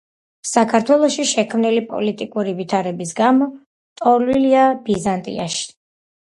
საქართველოში შექმნილი პოლიტიკური ვითარების გამო ლტოლვილია ბიზანტიაში.